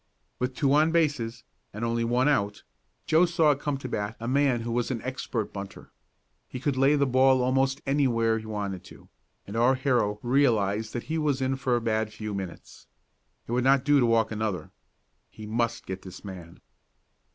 With two on bases, and only one out, Joe saw come to the bat a man who was an expert bunter. He could lay the ball almost anywhere he wanted to, and our hero realized that he was in for a bad few minutes. It would not do to walk another. He must get this man.